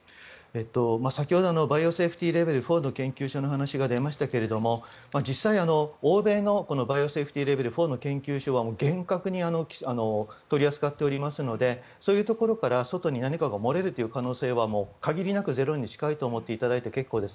先ほどのバイオセーフティーレベル４の研究所の話が出ましたが実際、欧米のバイオセーフティーレベル４の研究所は厳格に取り扱っていますのでそういうところから外に何かが漏れる可能性は限りなくゼロに近いと思っていただいて結構です。